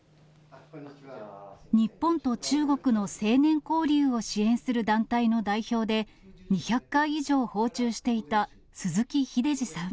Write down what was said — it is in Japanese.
日本と中国の青年交流を支援する団体の代表で、２００回以上訪中していた鈴木英司さん。